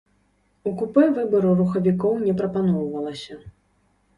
У купэ выбару рухавікоў не прапаноўвалася.